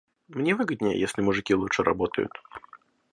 Мне выгоднее, если мужики лучше работают.